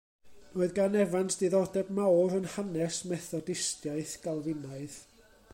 Roedd gan Evans diddordeb mawr yn hanes Methodistiaeth Galfinaidd.